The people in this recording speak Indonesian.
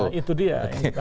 nah itu dia